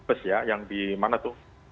ada yang di mana tuh